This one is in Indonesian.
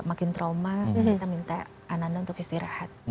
makin trauma kita minta ananda untuk istirahat